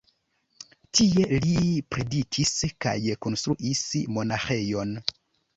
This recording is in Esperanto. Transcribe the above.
Tie li predikis kaj konstruis monaĥejon.